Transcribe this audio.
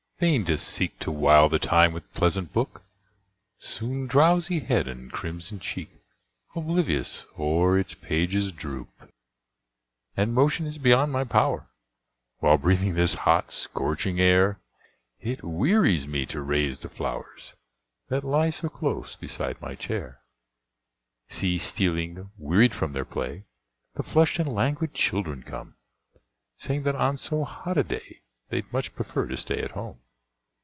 vain to seek To while the time with pleasant book, Soon drowsy head and crimsoned cheek Oblivious o'er its pages droop And motion is beyond my power, While breathing this hot, scorching air, It wearies me to raise the flowers, That lie so close beside my chair. See stealing, wearied from their play, The flushed and languid children come, Saying that on so hot a day They'd much prefer to stay at home.